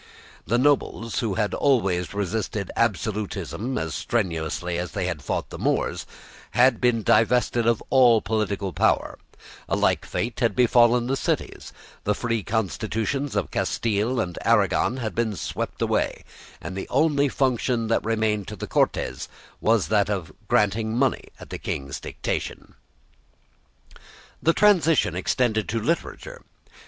The nobles, who had always resisted absolutism as strenuously as they had fought the Moors, had been divested of all political power, a like fate had befallen the cities, the free constitutions of Castile and Aragon had been swept away, and the only function that remained to the Cortes was that of granting money at the King's dictation. The transition extended to literature.